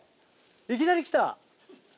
いきなりきた。